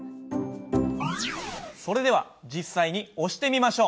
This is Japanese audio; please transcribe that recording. それでは実際に押してみましょう。